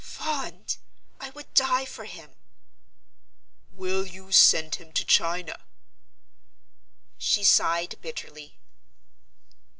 "Fond! I would die for him!" "Will you send him to China?" She sighed bitterly.